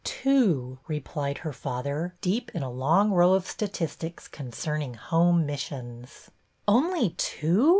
Two," replied her father, deep in a long row of statistics concerning Home Missions. Only two!